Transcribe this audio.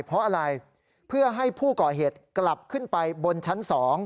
เพราะอะไรเพื่อให้ผู้ก่อเหตุกลับขึ้นไปบนชั้น๒